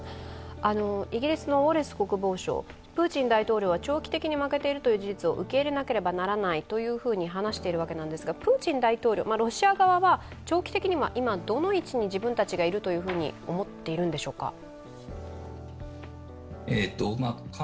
イギリスのウォレス国防相は、プーチン大統領は長期的に負けているという事実を受け入れなければならないと話しているわけなんですがプーチン大統領、ロシア側は長期的には今、どの位置に自分たちがいると思っているのでしょうか？